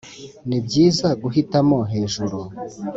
nibyiza guhitamo hejuru